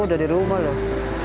udah di rumah loh